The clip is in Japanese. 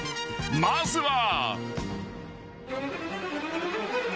［まずは］